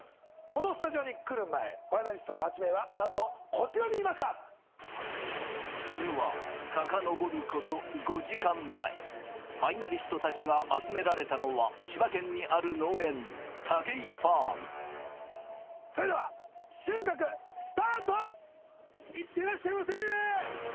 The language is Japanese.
このスタジオに来る前ファイナリストの８名はなんとこちらにいましたそれはさかのぼること５時間前ファイナリストたちが集められたのはそれでは収穫スタートいってらっしゃいませ